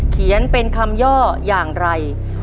เขียนเป็นคำย่ออย่างไร